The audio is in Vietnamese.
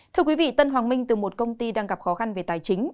thưa quý vị tân hoàng minh từ một công ty đang gặp khó khăn về tài chính